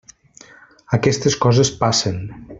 Aquestes coses passen.